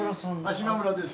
島村です。